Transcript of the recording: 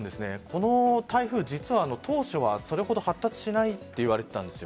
この台風、実は当初はそれほど発達しないといわれていたんです。